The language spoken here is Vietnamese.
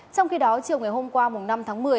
trong khi đó chiều ngày hôm qua năm tháng một mươi